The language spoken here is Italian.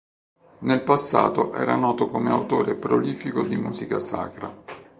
Nel passato era noto come autore prolifico di musica sacra.